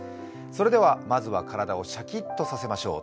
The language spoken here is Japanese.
それではまずは体をシャキッとさせましょう。